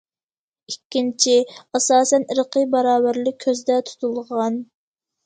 ئىككىنچى، ئاساسەن ئىرقىي باراۋەرلىك كۆزدە تۇتۇلغان.